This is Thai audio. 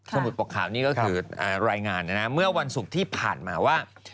สมุดปกขาวนี่ก็คือรายงานนะนะเมื่อวันศุกร์ที่ผ่านมาว่า